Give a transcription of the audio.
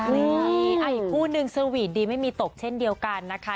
นี่อีกคู่นึงสวีทดีไม่มีตกเช่นเดียวกันนะคะ